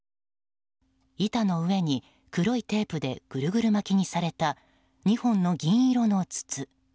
板の上に、黒いテープでぐるぐる巻きにされた２本の銀色の筒。